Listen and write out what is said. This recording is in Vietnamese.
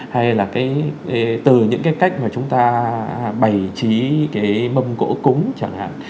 hay là từ những cái cách mà chúng ta bày trí cái mâm gỗ cúng chẳng hạn